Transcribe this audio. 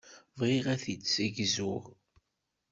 Bɣiɣ ad t-id-ssegzuɣ.